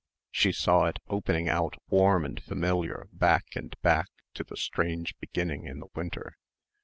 She saw it opening out warm and familiar back and back to the strange beginning in the winter.